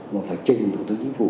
mà phải trình thủ tướng chính phủ